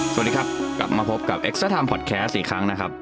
สวัสดีครับกลับมาพบกับเอ็กซาไมพอดแคสต์อีกครั้งนะครับ